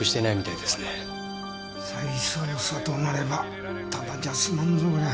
再捜査となればただじゃすまんぞこりゃ。